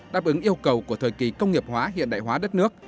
đáp ứng yêu cầu của thời kỳ công nghiệp hóa hiện đại hóa đất nước